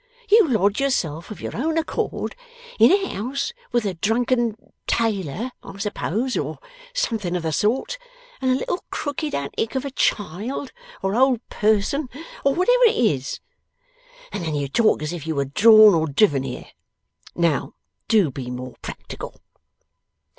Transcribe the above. You lodge yourself of your own accord in a house with a drunken tailor, I suppose or something of the sort, and a little crooked antic of a child, or old person, or whatever it is, and then you talk as if you were drawn or driven there. Now, do be more practical.